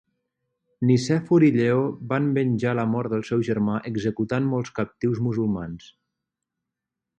Nicèfor i Lleó van venjar la mort del seu germà executant molts captius musulmans.